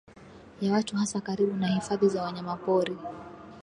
ya watu hasa karibu na hifadhi za wanyamapori